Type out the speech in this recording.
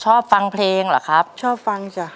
ชอบฟังเพลงเหรอครับชอบฟังจ้ะ